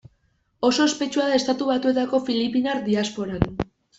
Oso ospetsua da Estatu Batuetako filipinar diasporan.